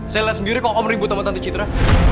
saya lihat sendiri kok kamu ribut sama tante citra